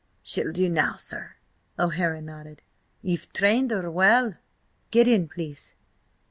"She'll do now, sir." O'Hara nodded. "Ye've trained her well. Get in, please."